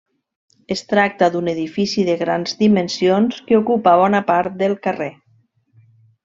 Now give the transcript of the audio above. Es tracta d'un edifici de grans dimensions que ocupa bona part del carrer.